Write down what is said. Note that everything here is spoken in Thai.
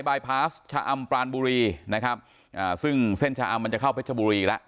บายพาสชะอำปรานบุรีนะครับอ่าซึ่งเส้นชะอำมันจะเข้าเพชรบุรีแล้ว